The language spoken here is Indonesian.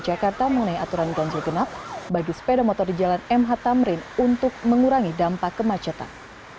jakarta mengenai aturan ganjil genap bagi sepeda motor di jalan mh tamrin untuk mengurangi dampak kemacetan